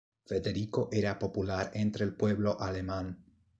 Federico era popular entre el pueblo alemán.